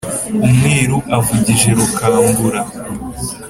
umwiru avugije rukambura